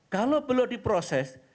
kalau belum diproses